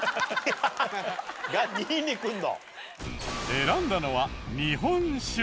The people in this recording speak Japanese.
選んだのは日本酒。